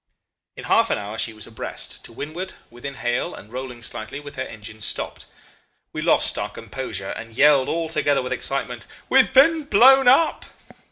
"In half an hour she was abreast, to windward, within hail, and rolling slightly, with her engines stopped. We lost our composure, and yelled all together with excitement, 'We've been blown up.